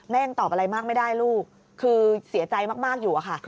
ยังตอบอะไรมากไม่ได้ลูกคือเสียใจมากอยู่อะค่ะ